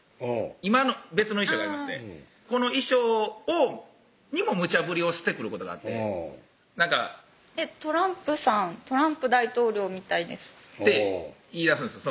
今別の衣装がありましてこの衣装にもむちゃ振りをしてくることがあってなんか「トランプさん」「トランプ大統領みたいです」って言いだすんです